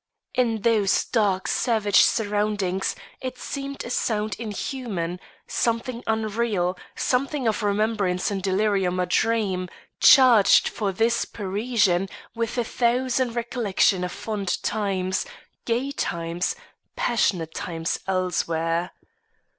In those dark savage surroundings it seemed a sound inhuman, something unreal, something of remembrance in delirium or dream, charged for this Parisian with a thousand recollections of fond times, gay times, passionate times elsewhere.